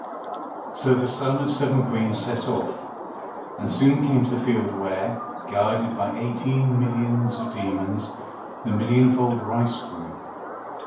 So the son of seven Queens set off, and soon came to the field where, guarded by eighteen millions of demons, the millionfold rice grew.